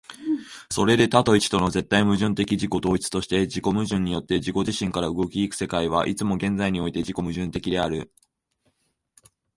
それで多と一との絶対矛盾的自己同一として、自己矛盾によって自己自身から動き行く世界は、いつも現在において自己矛盾的である。